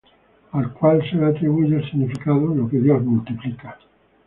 Al cual se le atribuye el significado "Lo que dios multiplica".